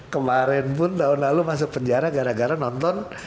kemarin pun tahun lalu masuk penjara gara gara nonton